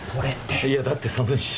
いやだって寒いし。